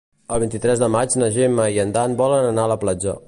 El vint-i-tres de maig na Gemma i en Dan volen anar a la platja.